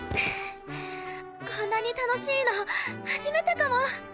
こんなに楽しいの初めてかも！